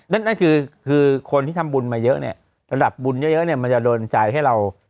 นั่นคือคนที่ทำบุญมาเยอะเนี่ยระดับบุญเยอะมันจะโดนจ่ายให้เรา